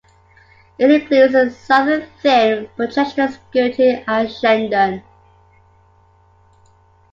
It includes a southern thin projection skirting Ashendon.